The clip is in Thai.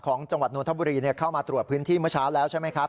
จังหวัดนทบุรีเข้ามาตรวจพื้นที่เมื่อเช้าแล้วใช่ไหมครับ